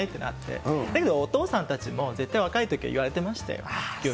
だけどお父さんたちも絶対若いときは言われてましたよ。